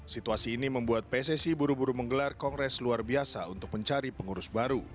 situasi ini membuat pssi buru buru menggelar kongres luar biasa untuk mencari pengurus baru